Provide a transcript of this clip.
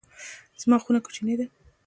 زما خونه کوچنۍ ده